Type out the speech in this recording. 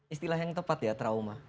istilah yang tepat ya trauma